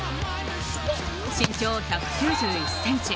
身長１９１ｃｍ。